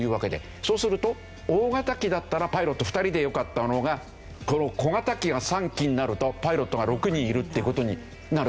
そうすると大型機だったらパイロット２人でよかったのがこの小型機が３機になるとパイロットが６人いるっていう事になるでしょ。